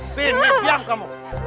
sini tiang kamu